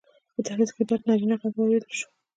په دهلېز کې ډډ نارينه غږ واورېدل شو: